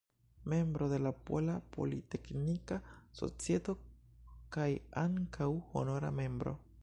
Membro de la Pola Politeknika Societo kaj ankaŭ honora membro.